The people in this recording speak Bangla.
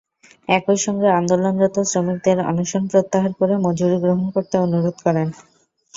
একই সঙ্গে আন্দোলনরত শ্রমিকদের অনশন প্রত্যাহার করে মজুরি গ্রহণ করতে অনুরোধ করেন।